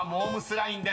ラインです］